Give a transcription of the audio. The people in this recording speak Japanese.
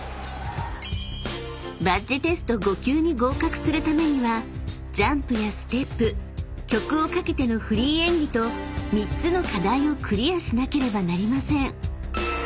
［バッジテスト５級に合格するためにはジャンプやステップ曲をかけてのフリー演技と３つの課題をクリアしなければなりません］